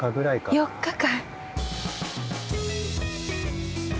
４日間？